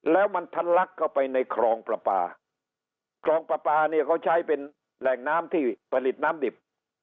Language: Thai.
แล้วมันทันลักเข้าไปในคลองประปาคลองปลาปลาเนี่ยเขาใช้เป็นแหล่งน้ำที่ผลิตน้ำดิบ